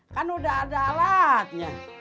kan udah ada alatnya